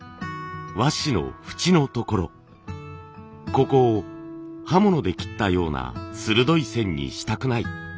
ここを刃物で切ったような鋭い線にしたくない。